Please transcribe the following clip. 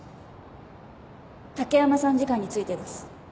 武山参事官についてです。